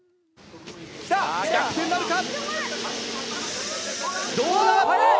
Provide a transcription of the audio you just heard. さぁ逆転なるか？